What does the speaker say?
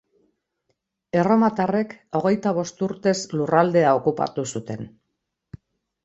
Erromatarrek hogeita bost urtez lurraldea okupatu zuten.